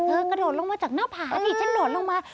กระโดดลงมาจากหน้าผานี่ฉันโดดลงมา